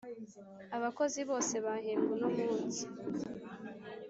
abakozi bose bahembwe uno munsi